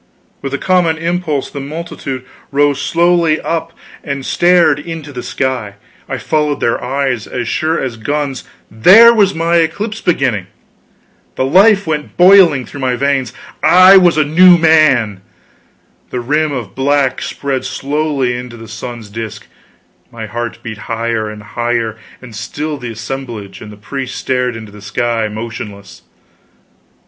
With a common impulse the multitude rose slowly up and stared into the sky. I followed their eyes, as sure as guns, there was my eclipse beginning! The life went boiling through my veins; I was a new man! The rim of black spread slowly into the sun's disk, my heart beat higher and higher, and still the assemblage and the priest stared into the sky, motionless.